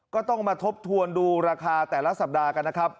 ก็ต้องมาทบทวนดูราคาแต่ละสัปดาห์กันนะครับ